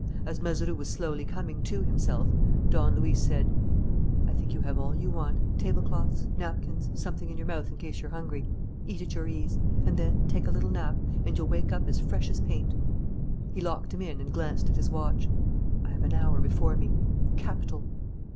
As Mazeroux was slowly coming to himself, Don Luis said: "I think you have all you want. Tablecloths napkins something in your mouth in case you're hungry. Eat at your ease. And then take a little nap, and you'll wake up as fresh as paint." He locked him in and glanced at his watch. "I have an hour before me. Capital!"